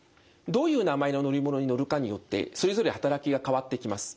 どういう名前の乗り物に乗るかによってそれぞれ働きが変わってきます。